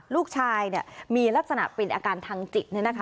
ลูกชายเนี่ยมีลักษณะเป็นอาการทางจิตเนี่ยนะคะ